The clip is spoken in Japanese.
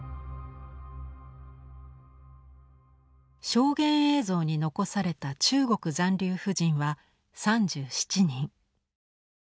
証言映像に残された中国残留婦人は３７人。